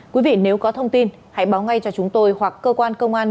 quý vị nếu có thông tin hãy báo ngay cho chúng tôi hoặc cơ quan công an nơi gần nhất